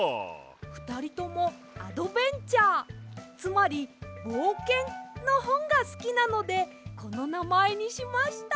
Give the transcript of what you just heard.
ふたりともアドベンチャーつまりぼうけんのほんがすきなのでこのなまえにしました！